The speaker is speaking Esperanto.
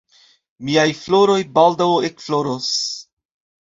Miaj floroj baldaŭ ekfloros.